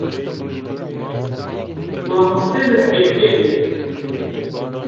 Mamoste li fêrgehê ye.